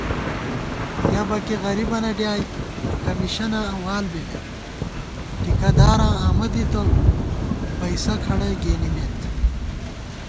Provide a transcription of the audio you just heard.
یَہ بَکےغریبَنہ ڈیائے، کمیشَناں وال بِمېت * ٹِکہ داراں آمہ دِتہ، پَئیسَہ کھڑَئی گېنِمېت